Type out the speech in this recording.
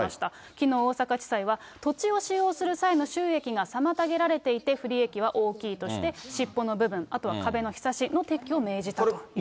きのう、大阪地裁は、土地を使用する際の収益が妨げられていて、不利益は大きいとして、尻尾の部分、あとは壁のひさしの撤去を命じたということです。